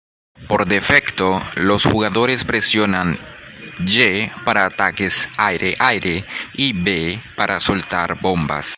Por defecto, los jugadores presionan Y para ataques aire-aire y B para soltar bombas.